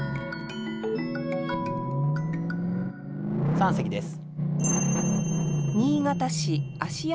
三席です。